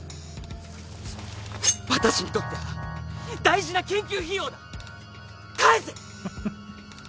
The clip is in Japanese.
私にとっては大事な研究費用ふふっ。